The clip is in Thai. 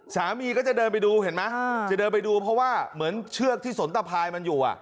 สามีก็จะเดินไปดูเห็นไหมจะเดินไปดูเพราะว่าเหมือนเชือกที่สนตะพายมันอยู่